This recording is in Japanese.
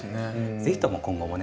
是非とも今後もね